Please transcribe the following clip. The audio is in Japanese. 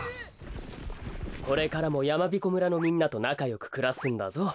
これからもやまびこ村のみんなとなかよくくらすんだぞ。